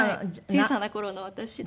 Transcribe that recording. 小さな頃の私で。